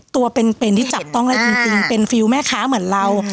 ตัวเป็นที่จับต้องได้จริงเป็นฟิลแม่ค้าเหมือนเรา